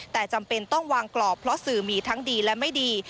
แต่จำเป็นต้องวางกรอบเพราะสื่อมีทั้งดีและไม่ดี